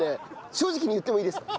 正直に言ってもいいですか？